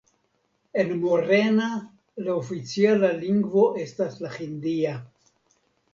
En Morena la oficiala lingvo estas la hindia.